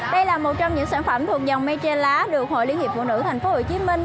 đây là một trong những sản phẩm thuộc dòng mây tre lá được hội liên hiệp phụ nữ tp hcm